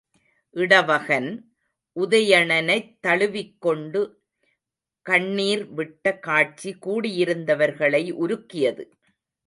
இடவகன், உதயணனைத் தழுவிக்கொண்டு கண்ணிர்விட்ட காட்சி, கூடியிருந்தவர்களை உருக்கியது.